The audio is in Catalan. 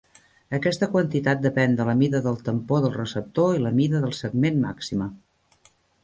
Aquesta quantitat depèn de la mida del tampó del receptor i la mida del segment màxima.